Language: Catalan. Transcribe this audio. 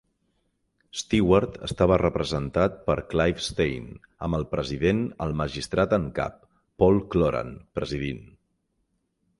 Stewart estava representat per Clive Steirn, amb el president el magistrat en cap, Paul Cloran, presidint.